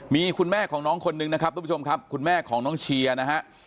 มีคุณแม่ของน้องคนนึงนะครับทุกผู้ชมครับคุณแม่ของน้องเชียร์นะฮะ